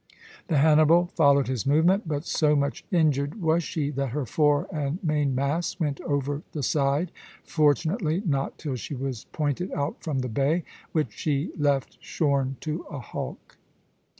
The "Hannibal" followed his movement; but so much injured was she that her fore and main masts went over the side, fortunately not till she was pointed out from the bay, which she left shorn to a hulk.